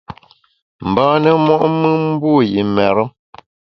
Mbâne mo’mùn mbu yi mêre.